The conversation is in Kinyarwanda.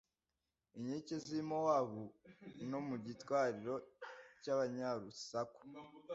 inkike z i mowabu no mu gitwariro cy abanyarusaku